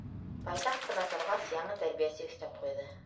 Байтаҡ ҡына торғас, яңы тәрбиәсе өҫтәп ҡуйҙы: